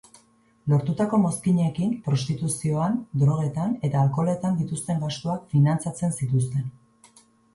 Lortutako mozkinekin, prostituzioan, drogetan eta alkoholetan dituzten gastuak finantzatzen zituzten.